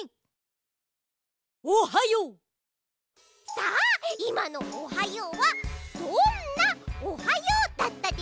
さあいまの「おはよう」はどんな「おはよう」だったでしょうか？